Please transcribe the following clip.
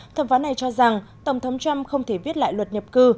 thẩm phán này cho rằng tổng thống trump không thể viết lại luật nhập cư